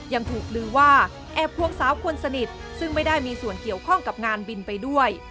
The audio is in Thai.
ยังถูกลือว่าแอบควงสาวคนสนิทซึ่งไม่ได้มีส่วนเกี่ยวข้องกับงานบินไปด้วย